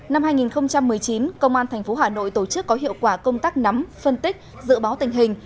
năm hai nghìn một mươi chín công an tp hà nội tổ chức có hiệu quả công tác nắm phân tích dự báo tình hình